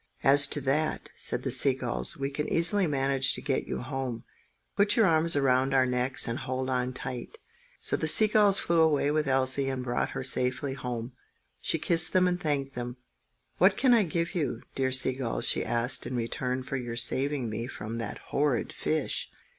"As to that," said the sea gulls, "we can easily manage to get you home. Put your arms around our necks and hold on tight!" So the sea gulls flew away with Elsie, and brought her safely home. She kissed them and thanked them. "What can I give you, dear sea gulls," she asked, "in return for your saving me from that horrid fish?"